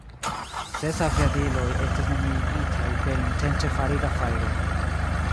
Ses aviadiloj estis neniigitaj per intence farita fajro.